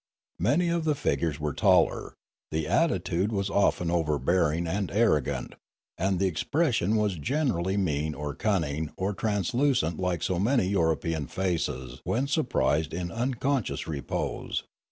Many of the figures were taller; the attitude was often overbearing and arrogant, and the expression was generally mean or cunning or truculent like so many European faces when surprised in unconscious repose.